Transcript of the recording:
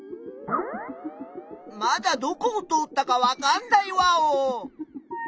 まだどこを通ったかわかんないワオ！